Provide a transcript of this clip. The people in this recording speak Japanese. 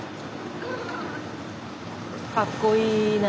かっこいいね